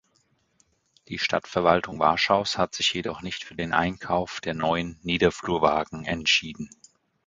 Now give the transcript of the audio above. Die Stadtverwaltung Warschaus hat sich jedoch nicht für den Einkauf der neuen Niederflurwagen entschieden.